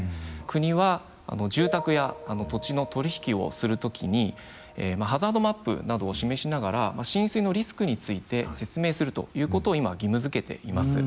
国は住宅や土地の取り引きをする時にハザードマップなどを示しながら浸水のリスクについて説明するということを今義務づけています。